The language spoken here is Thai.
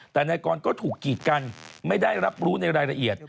แต่นายกรก็ถูกกีดกันไม่ได้รับรู้ในรายละเอียด